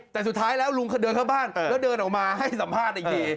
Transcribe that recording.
แต่สุดท้ายแล้วลุงเดินเข้าบ้านแล้วเดินออกมาให้สัมภาษณ์อีกที